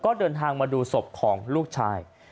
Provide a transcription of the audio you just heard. ก็เดินทางมาดูศพของลูกชาย